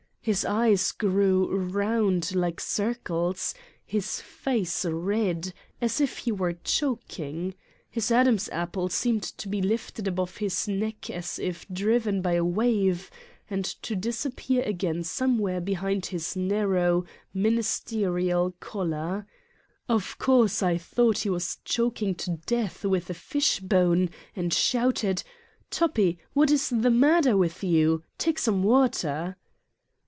His eyes grew round like circles, his face red, as if he were choking. His Adam's apple seemed to be lifted above his neck as if driven by a wave, and to dis appear again somewhere behind his narrow, min isterial collar. Of course, I thought he was chok ing to death with a fishbone and shouted :" Toppi! What is the matter with you? Take some water."